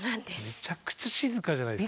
めちゃくちゃ静かじゃないですか。